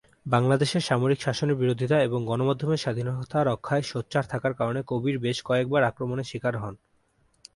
বাংলাদেশে সামরিক শাসনের বিরোধিতা এবং গণমাধ্যমের স্বাধীনতা রক্ষায় সোচ্চার থাকার কারণে কবির বেশ কয়েকবার আক্রমণের শিকার হন।